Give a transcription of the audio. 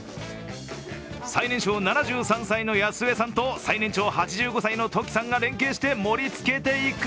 最年少７３歳のやす江さんと最年長８５歳のトキさんが連係して盛りつけていく。